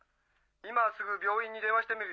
今すぐ病院に電話してみるよ。